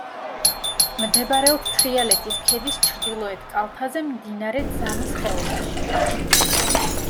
მდებარეობს თრიალეთის ქედის ჩრდილოეთ კალთაზე, მდინარე ძამის ხეობაში.